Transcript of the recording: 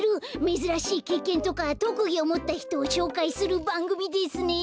めずらしいけいけんとかとくぎをもったひとをしょうかいするばんぐみですね。